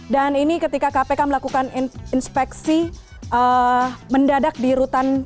dan ini ketika kpk melakukan inspeksi mendadak di rutan pondok bambu